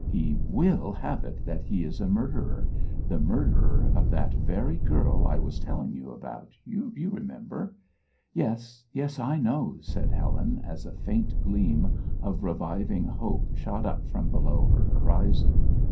He WILL have it that he is a murderer the murderer of that very girl I was telling you about, you remember, " "Yes, yes! I know," said Helen, as a faint gleam of reviving hope shot up from below her horizon.